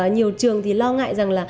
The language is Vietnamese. nhiều trường thì lo ngại rằng là